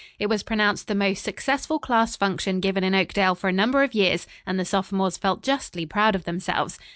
It was pronounced the most successful class function given in Oakdale for a number of years, and the sophomores felt justly proud of themselves.